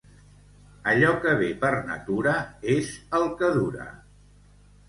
Allò que ve per natura és el que dura.